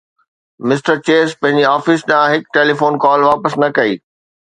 mister Chase پنهنجي office ڏانهن هڪ ٽيليفون ڪال واپس نه ڪئي